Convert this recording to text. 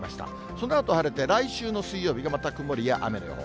そのあと晴れて、来週の水曜日がまた曇りや雨の予報。